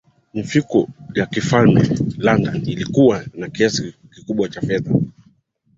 mifuko ya kifalme ya london ilikuwa na kiasi kikubwa cha fedha